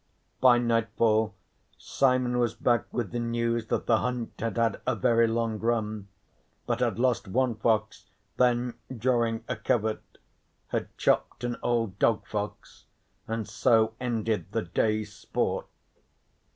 By nightfall Simon was back with the news that the hunt had had a very long run but had lost one fox, then, drawing a covert, had chopped an old dog fox, and so ended the day's sport.